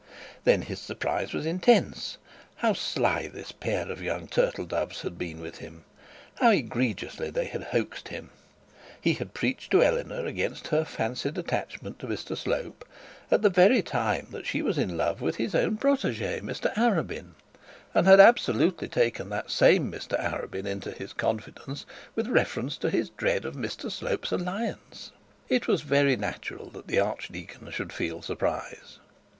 Then his surprise was intense. How sly the pair of young turtle doves had been with him. How egregiously they had hoaxed him. He had preached at Eleanor against her fancied attachment to Mr Slope, at the very time she was in love with his own protege, Mr Arabin; and had absolutely taken that same Mr Arabin into his confidence with reference to the dread of Mr Slope's alliance. It was very natural that the archdeacons should feel surprise.